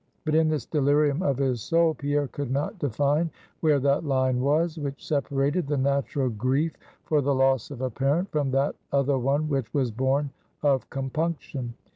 But in this delirium of his soul, Pierre could not define where that line was, which separated the natural grief for the loss of a parent from that other one which was born of compunction.